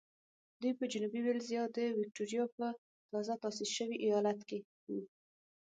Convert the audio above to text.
دوی په جنوبي وېلز یا د ویکټوریا په تازه تاسیس شوي ایالت کې وو.